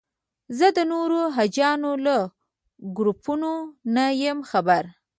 زه د نورو حاجیانو له ګروپونو نه یم خبر.